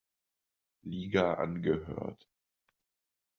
Liga angehört.